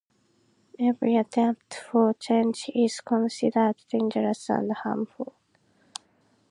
Every attempt for change is considered dangerous and harmful.